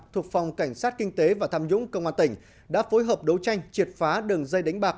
thuộc phòng cảnh sát kinh tế và tham nhũng công an tỉnh đã phối hợp đấu tranh triệt phá đường dây đánh bạc